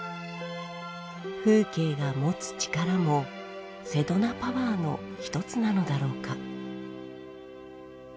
風景が持つ力もセドナパワーの一つなのだろうか？